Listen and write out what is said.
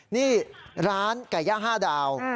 นี่ร้านไก่ย่าง๕ดาว